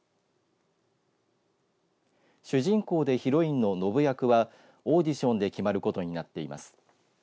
主人公でヒロインののぶ役はオーディションで決まることになっています。